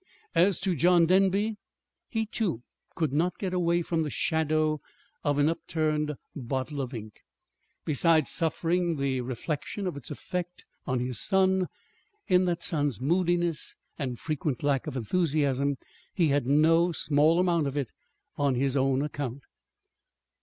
As to John Denby he, too, could not get away from the shadow of an upturned bottle of ink. Besides suffering the reflection of its effect on his son, in that son's moodiness and frequent lack of enthusiasm, he had no small amount of it on his own account.